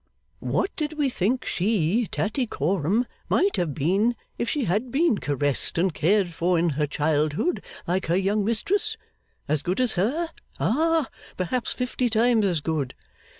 What did we think she, Tattycoram, might have been if she had been caressed and cared for in her childhood, like her young mistress? As good as her? Ah! Perhaps fifty times as good.